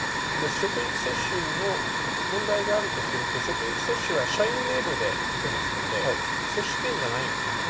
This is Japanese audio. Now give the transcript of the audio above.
職域接種の問題があるとすると社員名簿で打てますので接種券ではないんですね？